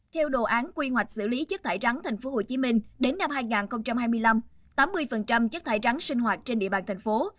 theo đồ án quy hoạch xử lý chất thải rắn tp hcm đến năm hai nghìn hai mươi năm tám mươi chất thải rắn sinh hoạt trên địa bàn thành phố